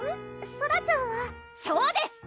ソラちゃんはそうです！